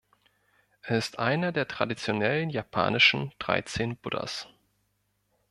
Er ist einer der traditionellen japanischen Dreizehn Buddhas.